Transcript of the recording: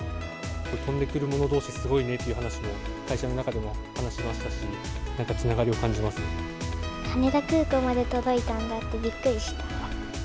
飛んでくるものどうし、すごいねっていう話を、会社の中では話しましたし、なんかつなが羽田空港まで届いたんだって、びっくりした。